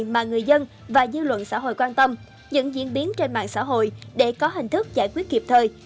mà người dân và dư luận xã hội quan tâm những diễn biến trên mạng xã hội để có hình thức giải quyết kịp thời